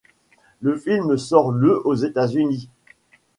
Le film sort le aux États-Unis.